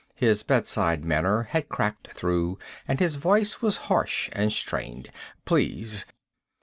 His bedside manner had cracked through and his voice was harsh and strained. "Please."